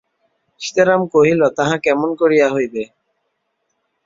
সীতারাম কহিল, তাহা কেমন করিয়া হইবে?